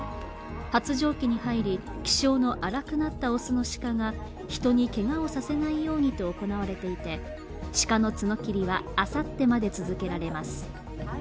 発情期に入り、気性の荒くなった雄の鹿が人にけがをさせないようにと行われていて、鹿の角きりは、あさってまで続けられます。